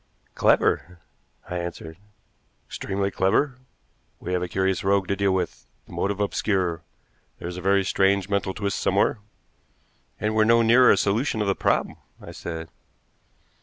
"Clever!" I answered. "Extremely clever. We have a curious rogue to deal with, the motive obscure. There's a very strange mental twist somewhere." "And we're no nearer a solution of the problem," I said.